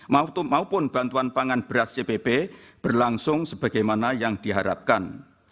maupun bantuan pangan beras cpp berlangsung sebagaimana yang diharapkan